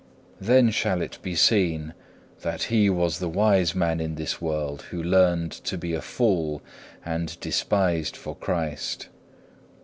5. Then shall it be seen that he was the wise man in this world who learned to be a fool and despised for Christ.